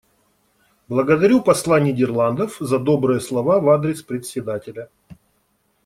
Благодарю посла Нидерландов за добрые слова в адрес Председателя.